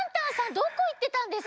どこいってたんですか？